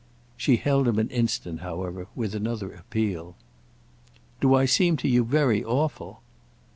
She held him an instant, however, with another appeal. "Do I seem to you very awful?"